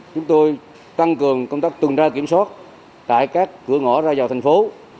chúng tôi tăng cường công tác tuần tra kiểm soát tại các cửa ngõ ra vào thành phố